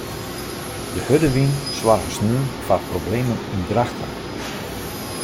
De hurde wyn soarge sneon foar problemen yn Drachten.